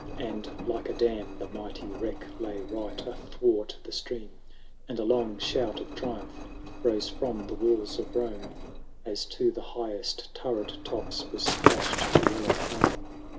And, like a dam, the mighty wreck Lay right athwart the stream : And a long shout of triumph Rose from the walls of Rome, As to the highest turret tops Was splashed the yellow foam.